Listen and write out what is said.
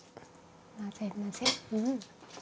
混ぜ混ぜ。